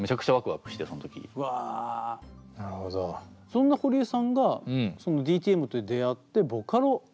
そんな堀江さんがＤＴＭと出会ってボカロ。